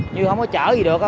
như không có chở gì được